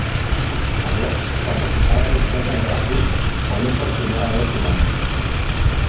ayer, cuando juntaba mi escolta en Veracruz, oí por primera vez su nombre...